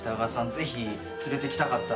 ぜひ連れてきたかったんです。